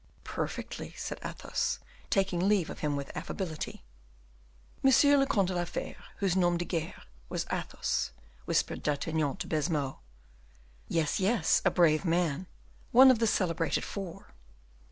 "Perfectly," said Athos, taking leave of him with affability. "Monsieur le Comte de la Fere, whose nom de guerre was Athos," whispered D'Artagnan to Baisemeaux. "Yes, yes, a brave man, one of the celebrated four."